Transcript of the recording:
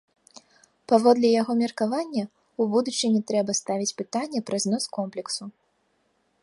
Паводле яго меркавання, у будучыні трэба ставіць пытанне пра знос комплексу.